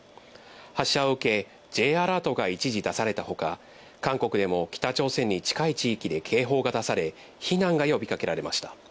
発射を受け、Ｊアラートが一時出されたほか、韓国でも北朝鮮に近い地域で警報が出され、避難が呼び掛けられました。